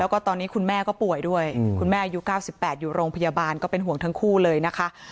แล้วก็ตอนนี้คุณแม่ก็ป่วยด้วยคุณแม่อายุ๙๘อยู่โรงพยาบาลก็เป็นห่วงทั้งคู่เลยนะคะ